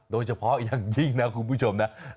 โดยเฉพาะอย่างยิ่งนะคุณผู้ชมนะ